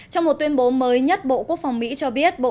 trong một tuyên bố mới nhất bộ quốc phòng mỹ cho biết